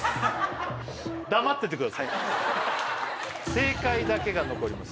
正解だけが残ります